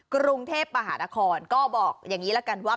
กรุงเทพมหานครก็บอกอย่างนี้ละกันว่า